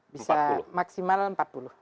bisa maksimal empat puluh